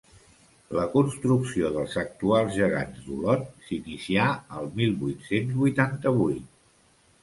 La construcció dels actuals Gegants d'Olot s'inicià el mil vuit-cents vuitanta-vuit.